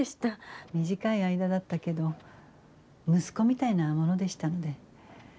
短い間だったけど息子みたいなものでしたので。